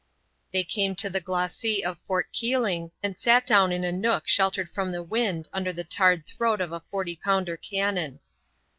They came to the glacis of Fort Keeling, and sat down in a nook sheltered from the wind under the tarred throat of a forty pounder cannon.